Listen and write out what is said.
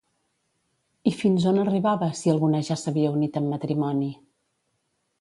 I fins on arribava si alguna ja s'havia unit en matrimoni?